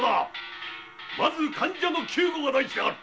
まず患者の救護が第一だ。